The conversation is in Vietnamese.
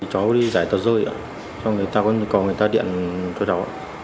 cháu đi giải tật rơi cho người ta có những cầu người ta điện cho đó